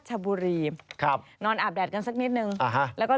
เจ้าหน้าทีมูลและนิทีก็ต้องช่วยจับเอาไว้